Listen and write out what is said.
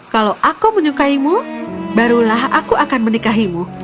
kalau aku menyukaimu barulah aku akan menikahimu